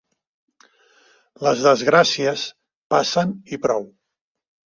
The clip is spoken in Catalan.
Les desgràcies passen i prou.